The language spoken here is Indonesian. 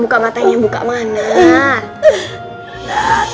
buka mata yang buka mana